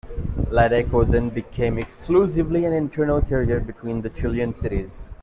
Ladeco then became exclusively an internal carrier between Chilean cities.